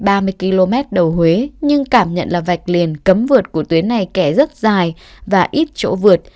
đoạn cam lộ lightstone chỉ mới chạy ba mươi km đầu huế nhưng cảm nhận là vạch liền cấm vượt của tuyến này kẻ rất dài và ít chỗ vượt